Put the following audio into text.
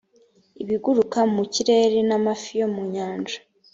ibiguruka mu kirere n amafi yo mu nyanja